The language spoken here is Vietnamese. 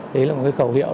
đấy là một cái khẩu hiệu